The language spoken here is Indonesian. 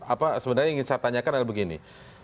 apa sebenarnya yang ingin saya tanyakan adalah begini